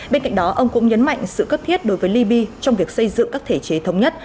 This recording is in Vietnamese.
bên cạnh đó ông cũng nhấn mạnh sự cấp thiết đối với liby trong việc xây dựng các thể chế thống nhất